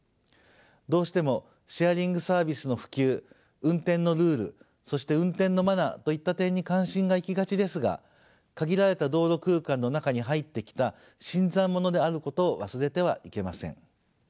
どうしてもシェアリングサービスの普及運転のルールそして運転のマナーといった点に関心がいきがちですが限られた道路空間の中に入ってきた新参者であることを忘れてはいけません。